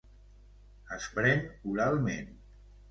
Es pren oralment.